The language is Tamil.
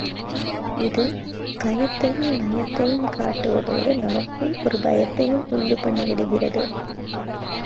இது கயத்தையும், நயத்தையுங் காட்டுவதோடு நமக்குள் ஒரு பயத்தையும் உண்டு பண்ணி விடுகிறது.